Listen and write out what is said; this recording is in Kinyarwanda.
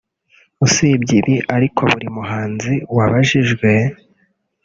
usibye ibi ariko buri muhanzi wabajijwe